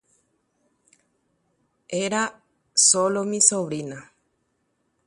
ha'énteva'ekue che sobrina